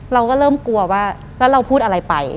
เราก็เริ่มกลัวว่าแล้วเราพูดอะไรไป